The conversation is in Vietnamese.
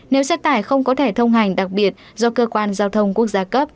nếu xe tải không có thẻ thông hành đặc biệt do cơ quan giao thông quốc gia cấp